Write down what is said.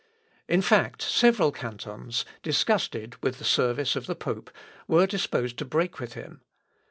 In fact, several cantons, disgusted with the service of the pope, were disposed to break with him.